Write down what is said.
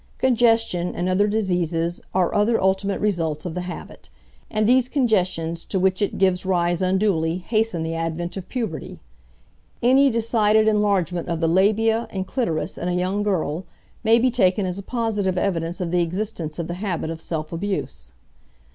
Congestion and other diseases are other ultimate results of the habit; and these congestions to which it gives rise unduly hasten the advent of puberty. Any decided enlargement of the labia and clitoris in a young girl may be taken as a positive evidence of the existence of the habit of self abuse.